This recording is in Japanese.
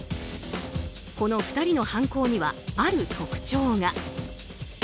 この２人の犯行にはある特徴が。